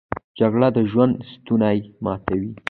جګړه د ژوند ستونی ماتوي